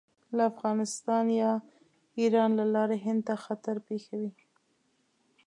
له افغانستان یا ایران له لارې هند ته خطر پېښوي.